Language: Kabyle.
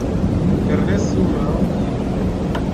Terna ssuma.